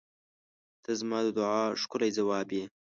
ته زما د دعاوو ښکلی ځواب یې.